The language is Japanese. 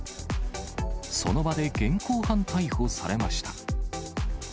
その場で現行犯逮捕されました。